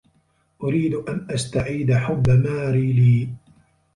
أريد أن أستعيد حبّ ماري لي.